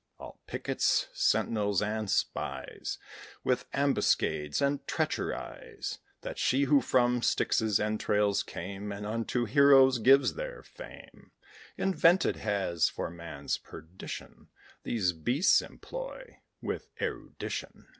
All pickets, sentinels, and spies, With ambuscades and treacheries, That she who from Styx's entrails came, And unto heroes gives their fame, Invented has, for man's perdition, These beasts employ, with erudition.